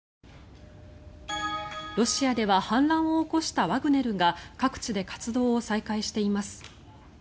ロシアでは反乱を起こしたワグネルが各地で活動を再開しています。